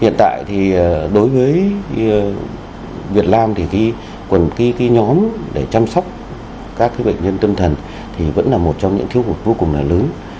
hiện tại thì đối với việt nam thì cái nhóm để chăm sóc các bệnh nhân tâm thần thì vẫn là một trong những thiếu hụt vô cùng là lớn